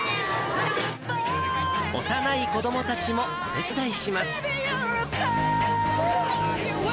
幼い子どもたちもお手伝いします。